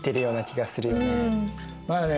まあね